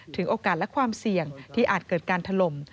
โอกาสและความเสี่ยงที่อาจเกิดการถล่ม